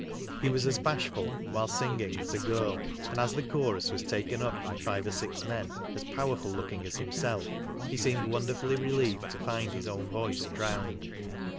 He was as bashful, while singing, as a girl, and as the chorus was taken up by five or six men as powerful looking as himself he # seemed wonderfully relieved to find his own voice drowned.